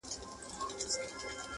آب حیات د بختورو نصیب سینه!.